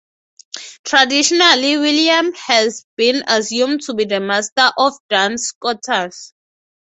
Traditionally William has been assumed to be the master of Duns Scotus.